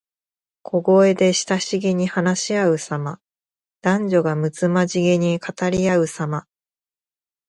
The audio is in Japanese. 小声で親しげに話しあうさま。男女がむつまじげに語りあうさま。